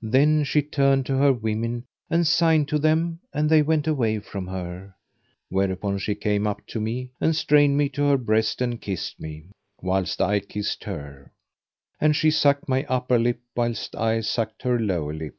Then she turned to her women and signed to them; and they went away from her, whereupon she came up to me and strained me to her breast and kissed me, whilst I kissed her, and she sucked my upper lip whilst I sucked her lower lip.